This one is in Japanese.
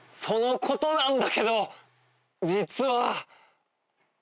そのことなんだけど実は。